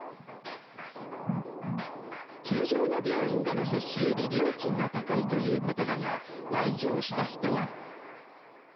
通常の病院での接種より料金は高いということだが、来場した人は。